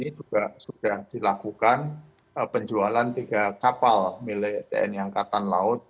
ini juga sudah dilakukan penjualan tiga kapal milik tni angkatan laut